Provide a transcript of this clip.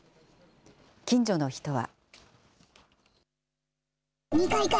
近所の人は。